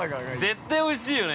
◆絶対おいしいよね。